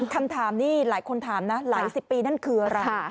คำถามนี้หลายคนถามนะหลายสิบปีนั่นคืออะไร